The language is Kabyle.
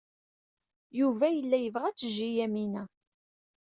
Yuba yella yebɣa ad tejji Yamina.